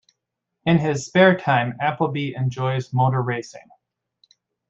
In his spare time, Appleby enjoys motor racing.